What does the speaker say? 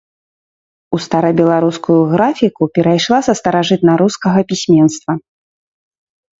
У старабеларускую графіку перайшла са старажытнарускага пісьменства.